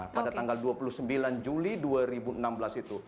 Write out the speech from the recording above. pada tanggal dua puluh sembilan juli dua ribu enam belas itu